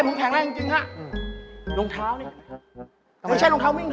รองเท้าอะไรฮะ